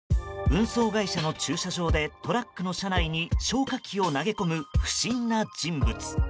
運送会社の駐車場でトラックの車内に消火器を投げ込む不審な人物。